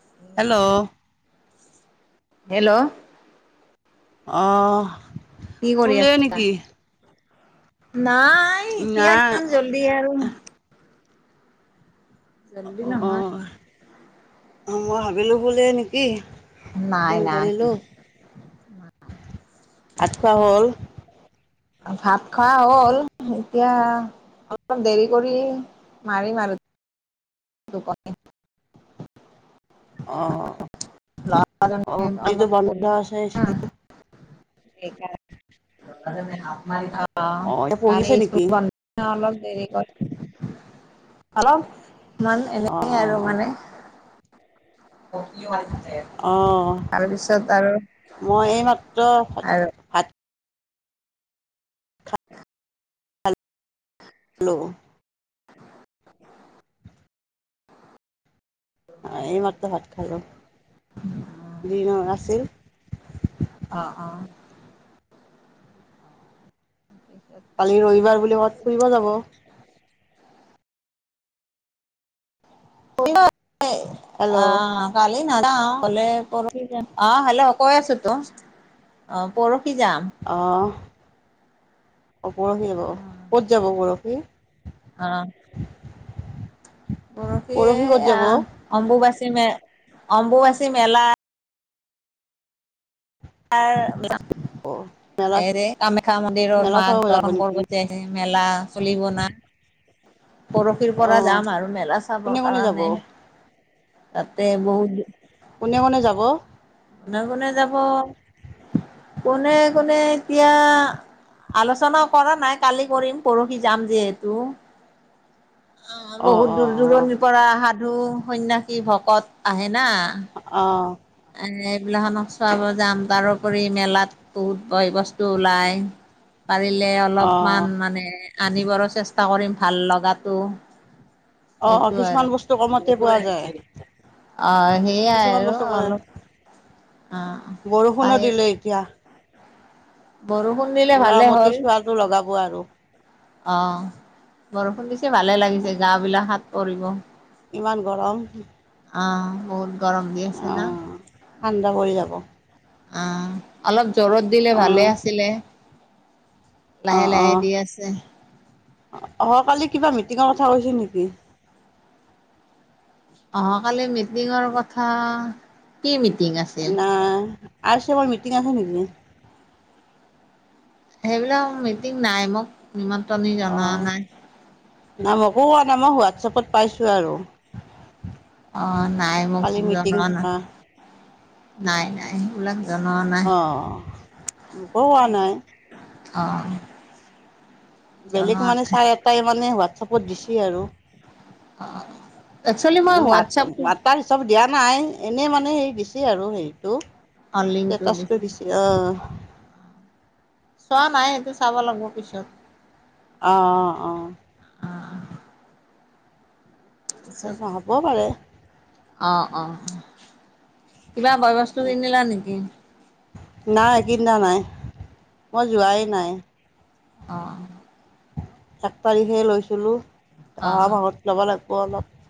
Hello hello আহ কি কৰি আছা নাই, এতিয়া নাই ইমান জল্দি আৰু। জল্দি নহয় অ মই ভাবিলো শুলে নেকি নাই, ফোন নাই, নাই। কৰিলোঁ ভাত খোৱা হ'ল? ভাত খোৱা হ'ল এতিয়া অলপ দেৰি কৰি মাৰিম আৰু। ক [unintelligible] অ, ল'ৰাজনে ‌অহাকালিটো অলপ বন্ধ পঢ়ি আছে, থাকে না স্কুল। [unintelligible] অ' অঁ এতিয়া কালি পঢ়িছে স্কুল নেকি বন্ধ অলপ দেৰিকৈ হেল্ল ইমান, অঁ এনেকেই আৰু অঁ মানে [unintelligible] অঁ অঁ তাৰপিছত আৰু মই আৰু [unintelligible] ভাত হেল্ল [unintelligible] [inaudible] এইমাত্ৰ ভাত খালো, দিনৰ আছিল অ' অ' কালি ৰবিবাৰ বুলি, কৰোবাত ফুৰিব যাব? [unintelligible] হেল্ল' অ, কালি নেযাওঁ গ'লে পৰখি যাম অ হেল্ল' কৈ আছো তো অ পৰখ অ। অ, পৰহি যাব, ক'ত যাব পৰ হি অহ। পৰহী পৰহি ক'ত এইয়া যাব অম্বুবাচী মে, অম্বুবাচী মেলা লাৰ অঁ মেলা এৰে কামাখ্যা মেলা মন্দিৰত, চাব মাক যাব দৰ্শন নেকি কৰিব যায় মেলা চলিব না পৰহীৰ পৰা অঁ যাম আৰু মেলা কোনে চাবৰ কোনে যাব কাৰণে। তাতে বহুত কোনে কোনে যাব? কোনে কোনে যাব?, কোনে, কোনে এতিয়া আলোচনা কৰা নাই, কালি কৰিম পৰহি যাম যিহেতু। অ, অঁ বহুত দূৰ, অঁ অঁ দূৰণিৰ পৰা আহাত সাধু, সন্য়াসী ভকত আহে না। অঁ এইবিলাকক চোৱাব যাম তাৰোপৰি মেলাত বহুত বয়-বস্তু ওলাই। পাৰিলে অঁ অলপমান মানে আনিবৰো চেষ্টা কৰিম ভাল লগাটো। অঁ অঁ সেইটো কিছুমান আৰু অ', বস্তু কমতে পোৱা যায় সেইয়াই কিছুমান আৰু বস্তু অলপ অ বৰষুণো চাই দিলে, এতিয়া। বৰষুণ দিলে পুৰা ভালেই মতি হ'ল, চোৱাটো লগাব আৰু অ', বৰষুণ দিছে ভালে লাগিছে গাৱ বিলাকত কৰিব ইমান গৰম। অ', বহুত গৰম দি আছে না। অঁ ঠাণ্ডা পৰি যাব। অ', অলপ জ্বৰত দিলে ভালে অঁ আছিলে। লাহে, অঁ লাহে, অঁ দি আছে। অহাকালি কিবা মিটিঙৰ, কথা কৈছে নেকি? অহা কালি মিটিঙৰ কথা, কি মিট নাই। আৰ চি এমৰ, মিটিং আছে নেকি? সেইবিলাক মিটিং নাই মোক নিমন্ত্ৰণী জনোৱা নাই। কোন মই হোৱাটছএপত পাইছো আৰু। অ', নাই মোক কালি মিটিং জনোৱা নাই। থকা নাই, নাই, ওলাম অ'। মইও, কোৱা নাই অ'। বেলেগ জনোৱা মানে নাই চাৰে এটাই মানে হোৱাটছপত দিছে আৰু একচুৱেলি মই মাত হোৱাটছএপটো মাতাৰ চব দিয়া। নাই এনেই মানে হে দিছে আৰু হেৰিটো। অ' লিংকটো ষ্টেটাচটো দিছে অ'। চোৱা নাই সেইটো চাব লাগিব পিছত। অ', অ', অ'। অ'। পিছত নহ'বও পাৰে। অ', অ' কিবা বয় বস্তু কিনিলা নেকি? নাই কিনা নাই মই যোৱাই নাই। অ' এক তাৰিখে লৈছিলো। অ' ভত ল'ব লাগিব। গলত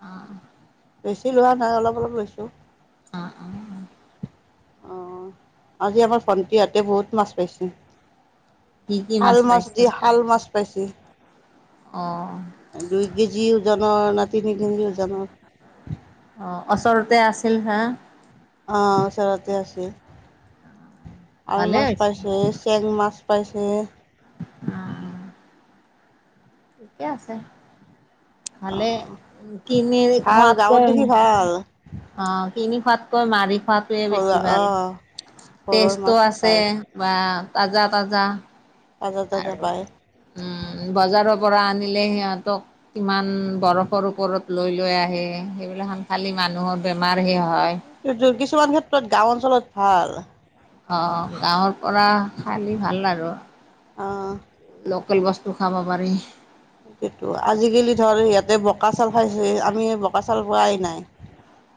অ' বেছি লোৱা নাই, অলপ অলপ লৈছোঁ। অ' অ' অ' আজি আমাৰ ভন্টিহতে বহুত মাছ পাইছে। কি কি শাল মাছ পাইছে? দি শাল মাছ পাইছে। অ' দুই কেজি ওজনৰ না তিনি কেজি ওজনৰ। চিলহা [unintelligible] আহ ওচৰতে আছে। আৰু ভালে মাছ হৈছে পাইছো, এ চেং মাছ পাইছে। আহ। ঠিকে আছে। অ ভালে, কিনি ভাল খোৱাতকে গাঁৱত দেখি ভাল অ' কিনি খোৱাতকৈ মাৰি খোৱাটোৱে ঘৰুৱা বেছি অ ভাল। ঘৰৰ টেষ্টো মাছ আছে পায় বা তাজা-তাজা তাজা তাজা আৰু পায় উম বজাৰত। পৰা আনিলে সিহঁতক কিমান বৰফৰ ওপৰত লৈ-লৈ আহে, সেইবিলাক আন খালি মানুহৰ বেমাৰ সিহত যে কিছুমান ক্ষেত্ৰত গাওঁ অঞ্চলত ভাল। অ' গাঁৱৰ পৰা খালি ভাল আৰু। অ [unintelligible] বস্তু খাব পাৰি। সেইটো আজিকালি ধৰ ইয়াতে বোকা চাল খাইছে আমি বোকা চাল। পোৱাই নাই।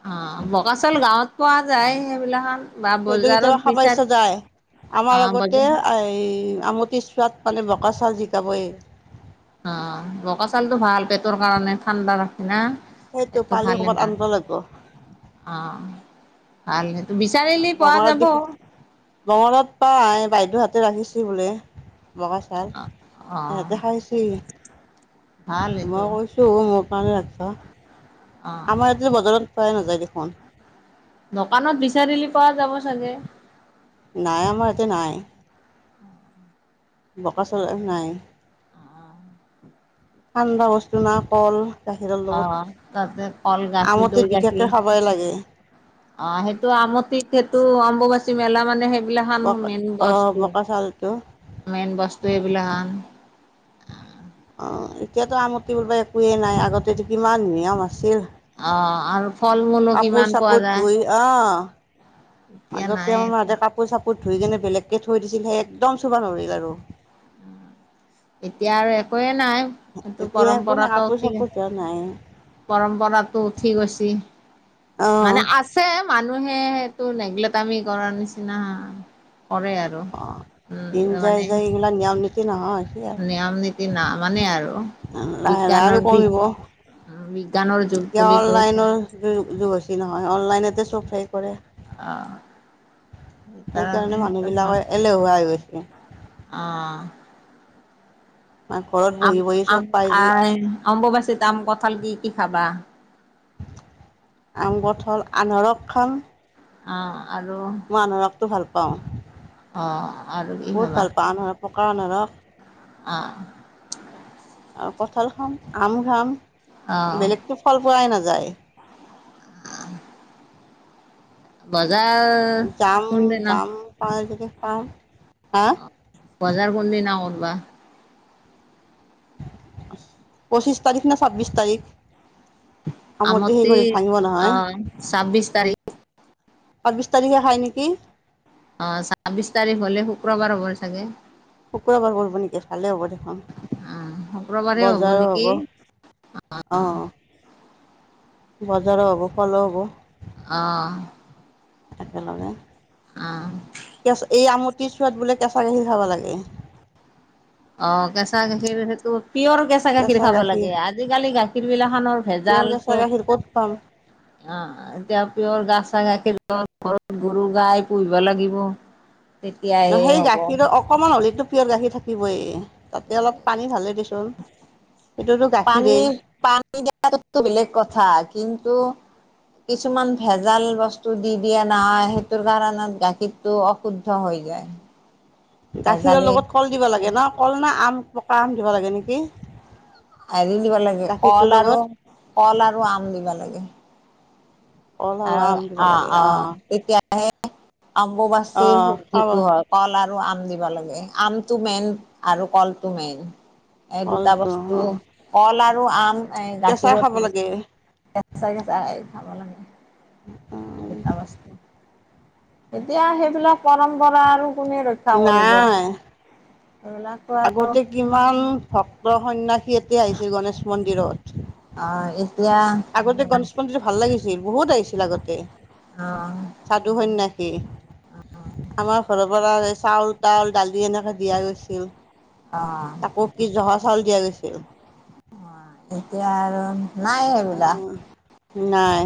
অ, বকাচাউল গাঁৱত পোৱা যায় সেইবিলাখান সেইটো কেতিয়াবা খাবৰ ইচ্ছা যায় আমাৰ অ', লগতে বজাৰ এ! আমতি চোৱাত মানে বকা চাউল জিকাবয়ে। অ বকা চাউলটো ভাল পেটৰ কাৰণে ঠাণ্ডা। না সেইটো এইটো পালি ভাল ক'ৰবাত আনিব [unintelligible] লাগিব অ [unintelligible] পোৱা বঙৰত যাব দেখি বঙৰত পাই বাইদেউ হাত। ৰাখিছি বোলে। বগা চাউল অ সিহঁতে খাইছে। ভাল এইটো মই কৈছো মোক। পাল লাগভ। অ অ আমাৰ এইতি বজাৰত। খোৱায় নযায় দেখোন। দোকানত বিচাৰিলি পোৱা যাব চাগে? নাই, আমাৰ এতিয়া নাই। বকা চল নাই ঠাণ্ডা বস্তু না কল। গাখীৰৰ অ, লগত তাতে কল গাখীৰ আমটিত দৈ বিশেষকে গাখীৰ খাবই লাগে অ, সেইটো আমতিত সেইটো অম্বব বচি মেলা মানে সেই এইবিলাখান বকা মেইন অ বস্তু বকা চাউলটো মেইন বস্তু এইবিলাান। অ, এতিয়াতো আমতি বোলবা একোৱেই নাই আগতেতো কিমান নিয়ম আছিল। অ আৰু ফল মূলো কাপোৰ কিমান পোৱা চাপোৰ ধুই যায়। অ এতিয়া আগতে নাই আমাৰ মা একো হঁতে কাপোৰ চাপোৰ ধুই কেনে বেলেগ। মোক থৈ দিছিল সে একদম চুবা নৰিল আৰু। এতিয়া আৰু একোৱে নাই, সেই এতিয়া একো নাই পৰম্পৰাটো কাপোৰ উঠি চাপোৰ গৈছে ধোৱা নাই পৰম্পৰাতটো উঠি গৈছে অ মানে আছে। মানুহে সেইটো নেগলেক্টামি কৰাৰ নিচিনা। কৰে আৰু উম মানে। ই নীতি নহয়। সেয়া নিয়ম নীতি নামানে আৰু লাহে লাহে আৰু বিজ্ঞানৰ বিগ কমিব বিজ্ঞানৰ যুগ বুলি কৈ থয়। জোৰ কৰিছিল নহয় অনলাইননে। তাতে চফাই কৰে। অ' সেইকাৰণে মানুহবিলাক এলেহুৱা হৈ গৈছে। অ' ঘৰত বহি আম- বহি চব আম- পাই যি আই অম্বুবাচ চিত আম, কঁঠাল কি-কি খাবা? আম, কঁঠাল, আনাৰস খাম। অ'। আৰু মানুহক টো ভাল পাওঁ। অ' আৰু কি বহুত ভাল পাও নহয় পকা অনাৰস। আহ। অ [inaudible] কঁঠাল খাম আম খাম অ' বেলেগতো ফল পোৱা নাযায়। উম বাল যাম যাম পাওঁ যদি পাম। হা? বজাৰ কোনদিনা কত বা পঁচিছ তাৰিখ নে ছাব্বিছ তাৰিখ? সেই আমতে কৰি ভাঙিব নহয় আহ ছাব্বিশ তাৰিখ। ছাব্বিছ তাৰিখে হয় নেকি? অ ছাব্বিশ তাৰিখ হলে শুক্ৰবাৰ হ'ব চাগে। শুক্ৰবাৰ কৰিব নেকি ভালে হ'ব দেখোন অ' শুক্ৰবাৰে বজাৰো নেকি হ'ব অ বজাৰো হব ফল হব আহঁ। একেলগে এই আম কেচোৱাত বোলে কেঁচা গাখীৰ খাব লাগে অ কেচা গাখীৰ হেটো পিয়ৰ কেঁচা গাখীৰ খাব লাগে আজিকালি গাখীৰ বিলাখনৰ পিয়ৰ ভেজাল কেঁচা চব গাখীৰ ক'ত পাম অ এতিয়া পিয়ৰ কেচা গাখীৰ ঘৰত গৰু গাই পুহিব লাগিব। তেতিয়াহে হেই হ'ব গাখীৰটো অকমান হলিটো পিয়ৰ গাখীৰ থাকিবই। তাতে অলপ পানী ঢালি দেচোন সেইটোতো পানী গাখীৰেই পানী দিয়াটো বেলেগ কথা কিন্তু। কিছুমান ভেজাল বস্তু দি দিয়া নহয় সেইটোৰ কাৰণত গাখীৰটো অশুদ্ধ হৈ যায় গাখীৰৰ ভেজালি লগত কল দিব লাগে ন কলনা আম পকা আম দিব লাগে নেকি হেৰি দিব লাগে গাখীৰটোৰ কল আৰু লগত কল আৰু আম দিবা লাগে কল অ আৰু আম দিব অ লাগে অ অঁ তেতিয়া সেই আম্ববচিৰ অঁ খাব যিটো হয় কলা আৰু আম দিব লাগে আমটো মেইন আৰু কলটো মেইন। এই দুটা কলটো বস্তু অঁ কল আৰু আৰু আম এই কেঁচাই গাখীৰঁ খাব লাগে খাব লাগে। বস্তু। এতিয়া সেইবিলাক পৰম্পৰা আৰু কোনে ৰক্ষা কৰিব? নাই সেইবিলাকতো আৰু আগতে কিমান বসন্যাস সি এতিয়া আহিছে গণেশ মন্দিৰত অ', এতিয়া আগতে গনেশ মন্দিৰ ভাল লাগিছিল বহুত আহিছিল আগতে অ', সাধু সন্যাসী আমাৰ ঘৰৰ পৰা চাউল তাউল দালি এনে দিয়া গৈছিল অ', তাকো কি জহা চাউাল দিয়া গৈছিল অ এতিয়া আৰু নাই হে বিলা নাই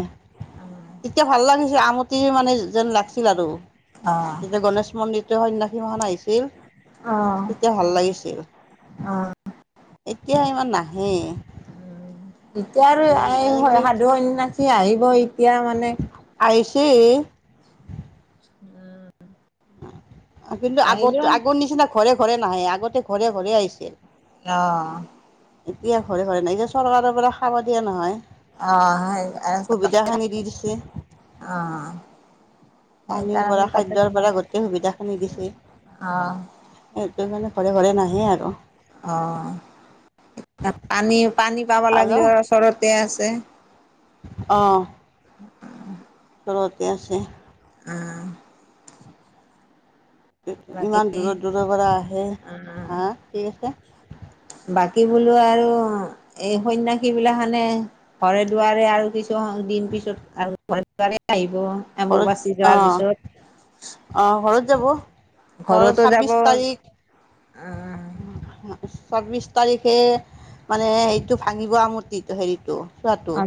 তেতিয়া ভাল লাগিছে আমটি মানে যেন লাগিছিল আৰু অ', যেতিয়া গণেশ মন্দিৰটো সন্য়াসী ম আহিছিল অ'। তেতিয়া ভাল লাগিছিল এতিয়া ইমান নাহে এতিয়া আৰু সাধু সনা আহিব ইয়া মানে এই উম উম কিন্তু আগত আগৰ নিচিনা ঘৰে ঘৰে নাহে আগতে ঘৰে ঘৰে আহিছিল আহ এতিয়া ঘৰে ঘৰে নাই যে চৰকাৰৰ পৰা খাব দিয়া নহয় আহ সুবিধাখিনি দি দিছে [inaudible] আহ পানীৰ পৰা খাদ্যৰ পৰা গোটেই সুবিধাখিনি দিছে অ', সেইটো স মমানে ঘৰে ঘৰে নাহে আৰু অ পানী পানী পাব লাগিলেও ওচৰতে আছে আহ উচৰতে আছে অঁ বাকী ইমান দূৰত দূৰৰ পৰা আহে, অ'। হা ঠিক আছে। কি বোলো আৰু এই সণ্যাষিবিলাসনে ঘৰে দুৱাৰে আৰু কিছু দিন পিছত আৰু ঘৰে দুৱাৰে আহিব। অম্বুবাচী ঘৰত যোৱাৰ অহ পিছত অহ ঘৰত যাব ঘৰ ঘৰুতে যাব ছাব্বিছ তাৰিখ আহঁ। চৌবিশ তাৰিখে মানে হেৰিটো ভাঙিব আৰু মোৰটিতো হেৰিতটো খোৱাটো অ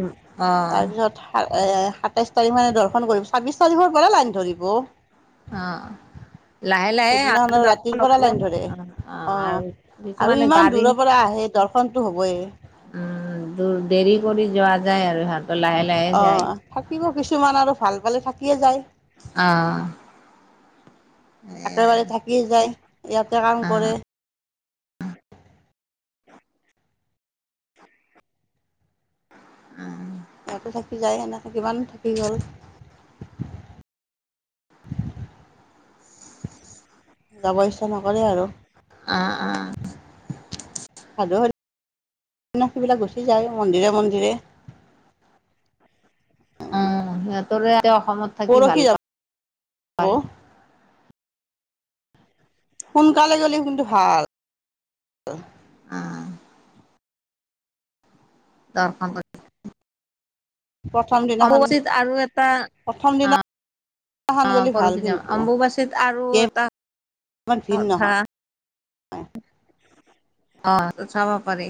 তাৰপিছত [unintelligible] এ সাতাইছ তাৰিখ মানে দৰ্শন কৰিব ছাব্বিশ তাৰিখৰ পৰা লাইন ধৰিব। অ'অঁ লাহে লাহে [unintelligible] সেইদিনাখন আৰু ৰাতিৰ পৰা লাইন ধৰে অঁ', অঁ আৰু আৰু কিছুমানে ইমান গাড়ী দূৰৰ পৰা আহে দৰ্শনটো হ'বই উম' দু-দেৰি কৰি যোৱা যায় আৰু। [unintelligible] লাহে যায় অঁ', থাকিব [unintelligible] কিছুমান আৰু ভাল পালে থাকিয়ে যায় অঁ',। একেবাৰে থাকি যায়। ইয়াতে কাম কৰে উম সিহঁতে থাকি যায় সনেথাকান থাকি গ'ল [inaudible] যাব ইচ্ছা নকৰে আৰু। অঁ' অঁ' সাধু [unintelligible] গুচি যায় মন্দিৰে মন্দিৰে। অঁ' সেই দৰে। অসমত থাকি পৰহি ভাল যাব [unintelligible] সোনকালে গ'লেওঁ কিন্ত ভাল। অ দৰ্শনত প্ৰথম দিনাখন অম্বুবাচিত আৰু এটা প্ৰথম অঁ', দিনাখন অ গ'লে ভাল অঁপৰশি যাম কিন্তু অম্বুবাচীত আৰু তেতিয়া এটা ইমান ভিৰ কথা। নহয় অঁ' চাব পাৰি,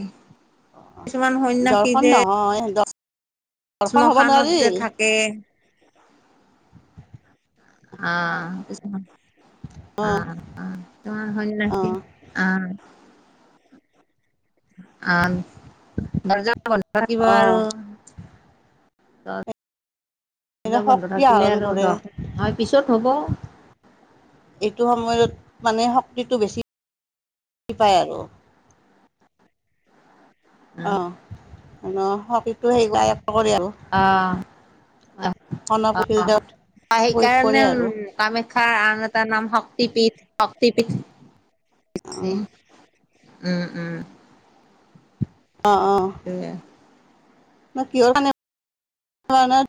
কিছুমান সন্যাসী দৰ্শন যে নহয়, দৰ্শন হ'ব শ্মশানত নোৱাৰি। যে থাকে অঁ',। অঁ', অঁ অঁ [unintelligible] অ। আ' দৰ্জা থাকিব অঁ আৰু। এটো দৰ্জা বন্ধ শক্তি থাকিলে আহৰণ আৰু কৰে দৰ্শন নহয় পিছত হ'ব এইটো সময়ত। মানে শক্তিটো বেছি পায় আৰু, অঁ',। [unintelligible] অঁ অঁ সনা অঁ প্ৰফিল্ডত প্ৰয়োগ সেইকাৰণে কৰে উম আৰু তামি খাৰআন এটা নাম শক্তিপীঠ শক্তিপীঠ। [inaudible] - অঁ [unintelligible] উম উম [inaudible] অঁ অ। সেইটোৱে। [unintelligible]